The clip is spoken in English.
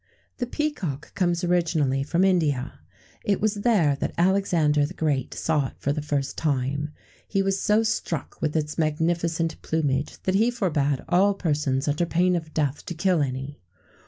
The peacock comes originally from India: it was there that Alexander the Great saw it for the first time. He was so struck with its magnificent plumage that he forbad all persons, under pain of death, to kill any.